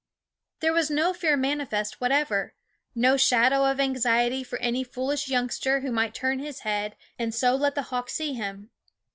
There was no fear manifest whatever; no shadow of anxiety for any foolish youngster who might turn his head and so let the hawk see him.